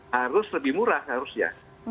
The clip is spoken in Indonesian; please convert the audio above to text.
harus lebih murah harusnya